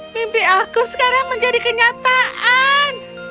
mimpiku sekarang menjadi kenyataan